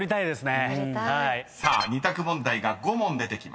［さあ２択問題が５問出てきます］